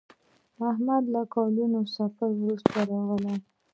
احمد له کلونو سفر وروسته راغی.